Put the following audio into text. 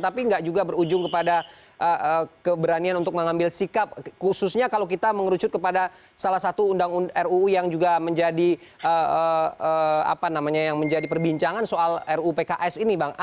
tapi nggak juga berujung kepada keberanian untuk mengambil sikap khususnya kalau kita mengerucut kepada salah satu ruu yang juga menjadi apa namanya yang menjadi perbincangan soal ruu pks ini bang